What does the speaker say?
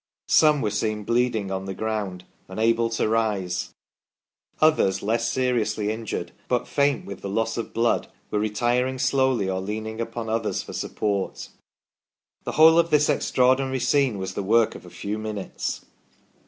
Some were seen bleeding on the ground, unable to rise ; others, less seriously injured, but faint with the loss of blood, were retiring slowly, or leaning upon others for support. The whole of this extraordinary scene was the work of a few minutes."